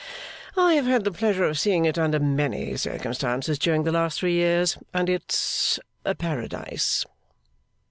'I have had the pleasure of seeing it under many circumstances during the last three years, and it's a Paradise.